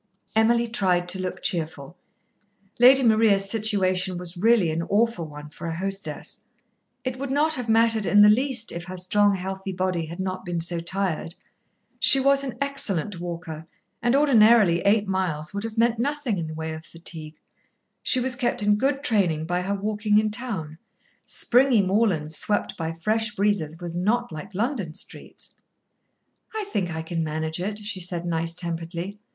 Emily tried to look cheerful. Lady Maria's situation was really an awful one for a hostess. It would not have mattered in the least if her strong, healthy body had not been so tired. She was an excellent walker, and ordinarily eight miles would have meant nothing in the way of fatigue. She was kept in good training by her walking in town, Springy moorland swept by fresh breezes was not like London streets. "I think I can manage it," she said nice temperedly.